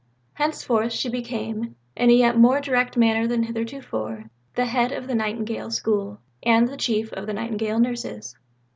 Henceforth she became, in a yet more direct manner than heretofore, the head of the Nightingale School, and the Chief of the Nightingale Nurses.